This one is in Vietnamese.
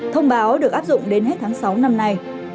thông báo được áp dụng đến hết tháng sáu năm nay